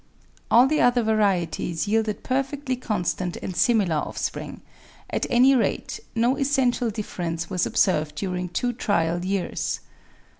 All the other varieties yielded perfectly constant and similar offspring; at any rate, no essential difference was observed during two trial years.